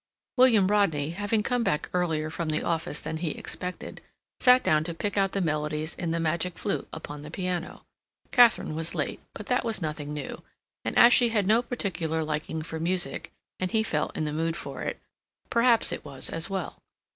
William Rodney, having come back earlier from the office than he expected, sat down to pick out the melodies in "The Magic Flute" upon the piano. Katharine was late, but that was nothing new, and, as she had no particular liking for music, and he felt in the mood for it, perhaps it was as well.